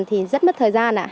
thì rất mất thời gian ạ